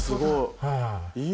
はい。